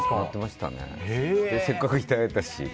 せっかくいただいたし。